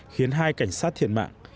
khiến hai cảnh sát thiệt mạng